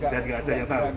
dan nggak ada yang tahu